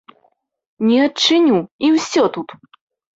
Не адчыню, і ўсё тут!